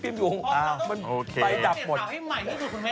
วันนี้เรื่องอะไร